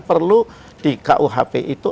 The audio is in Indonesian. perlu di rkuhp itu